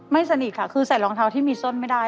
สนิทค่ะคือใส่รองเท้าที่มีส้นไม่ได้